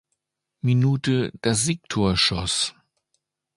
Minute das Siegtor schoss.